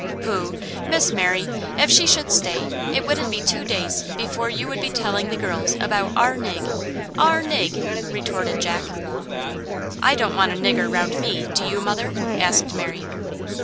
"Poh! Miss Mary; if she should stay, it wouldn't be two days before you would be telling the girls about OUR nig, OUR nig!" retorted Jack. "I don't want a nigger 'round ME, do you, mother?" asked Mary.